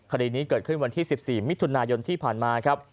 คดีนี้เกิดขึ้นวันที่๑๔มิถุนายนที่ผ่านมาครับ